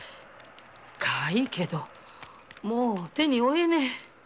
かわいいけどもう手に負えねえ。